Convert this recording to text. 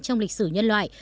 trong lịch sử nhân loại